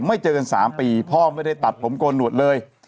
เจอกัน๓ปีพ่อไม่ได้ตัดผมโกนหนวดเลย